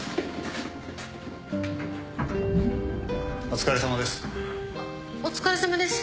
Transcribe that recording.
お疲れさまです。